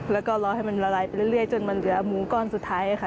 แล้วก็รอให้มันละลายไปเรื่อยจนมันเหลือหมูก้อนสุดท้ายค่ะ